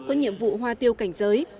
những nhiệm vụ hoa tiêu cảnh giới